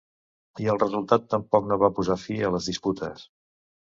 I el resultat tampoc no va posar fi a les disputes.